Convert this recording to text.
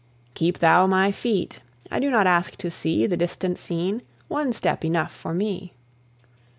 Keep Thou my feet; I do not ask to see The distant scene; one step enough for me.